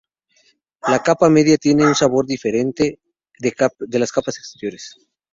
La capa media tiene un sabor diferente de las capas exteriores.